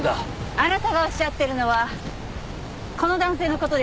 あなたがおっしゃってるのはこの男性の事ですよね？